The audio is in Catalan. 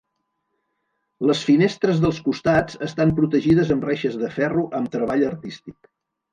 Les finestres dels costats estan protegides amb reixes de ferro amb treball artístic.